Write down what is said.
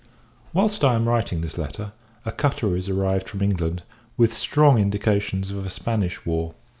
Whilst I am writing this letter, a cutter is arrived from England with strong indications of a Spanish war.